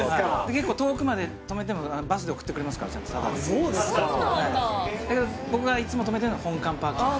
結構遠くまでとめてもバスで送ってくれますからちゃんとタダでそうなんだ僕がいつもとめてるのは本館パーキング